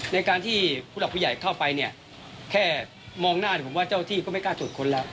ในการที่ผู้หลักผู้ใหญ่เข้าไปเนี่ยแค่มองหน้าผมว่าเจ้าที่ก็ไม่กล้าตรวจค้นแล้ว